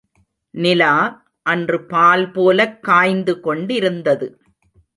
நிலா அன்று பால்போலக் காய்ந்து கொண்டிருந்தது.